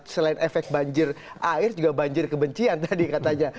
selain efek banjir air juga banjir kebencian tadi katanya